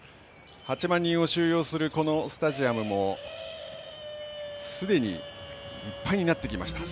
８万人を収容するこのスタジアムもすでにいっぱいになってきました。